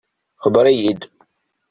Xebbeṛ-iyi-d.